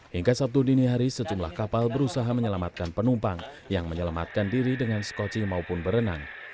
hingga sabtu dini hari sejumlah kapal berusaha menyelamatkan penumpang yang menyelamatkan diri dengan skoci maupun berenang